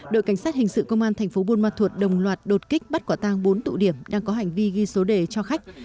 đội cảnh sát hình sự công an thành phố buôn ma thuột đồng loạt đột kích bắt quả tang bốn tụ điểm đang có hành vi ghi số đề cho khách